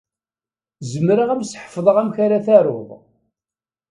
Zemreɣ ad m-sḥefḍeɣ amek ara taruḍ.